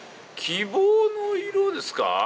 希望の色ですか？